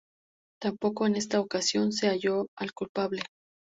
Tampoco en esta ocasión se halló al culpable.